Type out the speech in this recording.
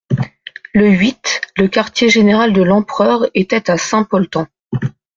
Le huit, le quartier-général de l'empereur était à Saint-Polten.